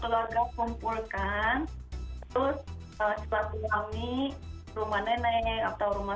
yang menghormati orang yang lebih tua